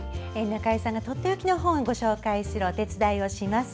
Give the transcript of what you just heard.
中江さんのとっておきの本をご紹介するお手伝いをします。